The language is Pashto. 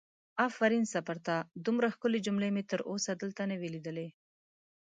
آفرین سه پر تا دومره ښکلې جملې مې تر اوسه دلته نه وي لیدلې!